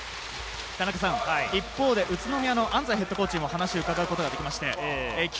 一方で宇都宮の安齋ヘッドコーチも話を伺うことができました。